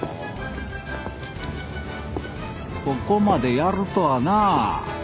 ここまでやるとはなあ。